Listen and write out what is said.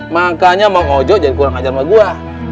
makanya mang ojo jangan kurang ajar sama gua